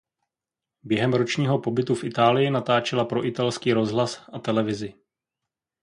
Během ročního pobytu v Itálii natáčela pro italský rozhlas a televizi.